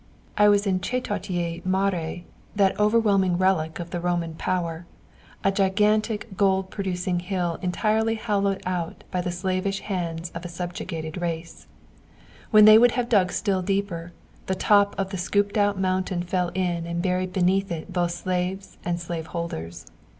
I was in Csetátye Máré, that overwhelming relic of the Roman power, a gigantic gold producing hill entirely hollowed out by the slavish hands of a subjugated race. When they would have dug still deeper, the top of the scooped out mountain fell in and buried beneath it both slaves and slave holders.